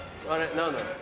何だろう。